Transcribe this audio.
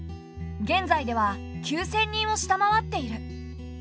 現在では９千人を下回っている。